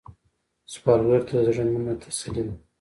سوالګر ته د زړه مينه تسلي ده